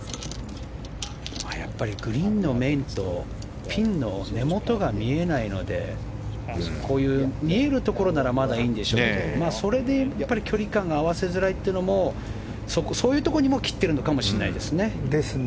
やっぱりグリーンの面とピンの根元が見えないのでこういう見えるところならまだいいんでしょうけどそれで言うと距離感を合わせづらいというのもそういうところにも切ってるのかもしれないですね。